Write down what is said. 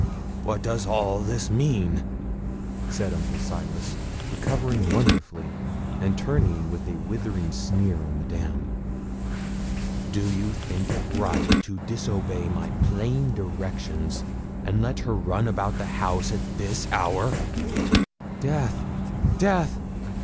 what does all this mean?' said Uncle Silas, recovering wonderfully, and turning with a withering sneer on Madame. 'Do you think it right to disobey my plain directions, and let her run about the house at this hour?' 'Death! death!